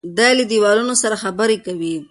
دی له دیوالونو سره خبرې کوي.